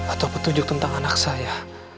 atau petunjuk tentang anak saya